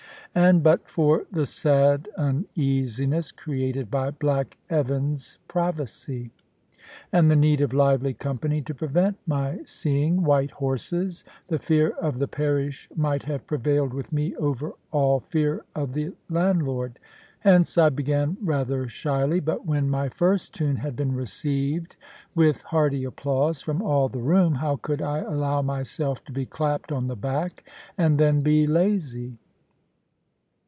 And but for the sad uneasiness created by black Evan's prophecy, and the need of lively company to prevent my seeing white horses, the fear of the parish might have prevailed with me over all fear of the landlord. Hence I began rather shyly; but when my first tune had been received with hearty applause from all the room, how could I allow myself to be clapped on the back, and then be lazy?